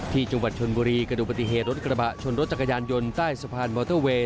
ที่จังหวัดชนบุรีกระดูกปฏิเหตุรถกระบะชนรถจักรยานยนต์ใต้สะพานมอเตอร์เวย์